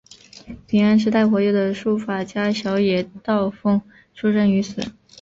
平安时代活跃的书法家小野道风出身于此。